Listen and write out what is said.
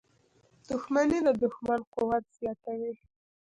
• دښمني د دوښمن قوت زیاتوي.